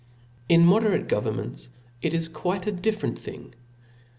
In moderate governments it is quite a different thing.